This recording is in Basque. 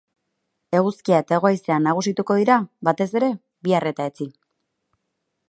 Eguzkia eta hego haizea nagusituko dira, batez ere, bihar eta etzi.